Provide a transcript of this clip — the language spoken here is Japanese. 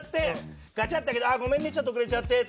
ガチャ！って開けてごめんねちょっと遅れちゃって。